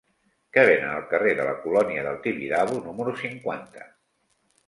Què venen al carrer de la Colònia del Tibidabo número cinquanta?